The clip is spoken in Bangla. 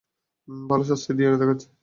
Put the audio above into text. ভালো, স্বাস্থ্যকর ডিএনএ দেখাচ্ছে।